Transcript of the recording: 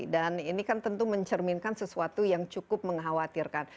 dan ini kan tentu mencerminkan sesuatu yang cukup mengkhawatirkan